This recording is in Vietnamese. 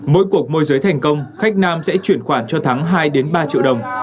mỗi cuộc mua dưới thành công khách nam sẽ chuyển khoản cho thắng hai ba triệu đồng